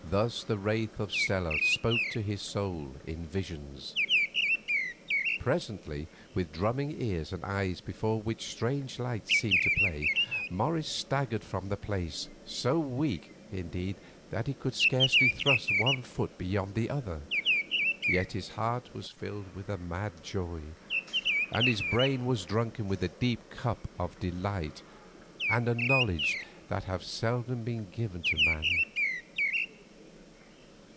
Thus the wraith of Stella spoke to his soul in visions. Presently, with drumming ears and eyes before which strange lights seemed to play, Morris staggered from the place, so weak, indeed, that he could scarcely thrust one foot before the other. Yet his heart was filled with a mad joy, and his brain was drunken with the deep cup of a delight and a knowledge that have seldom been given to man.